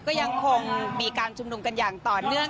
ก็ยังคงมีการชุมนุมกันอย่างต่อเนื่อง